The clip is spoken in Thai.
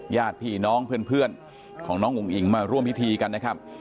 ญาติพี่น้องเพื่อนของน้องอุ๋งอิ๋งมาร่วมพิธีกันนะครับ